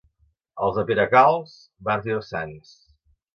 Els de Peracalç, màrtirs sants.